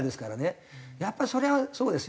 やっぱそれはそうですよ。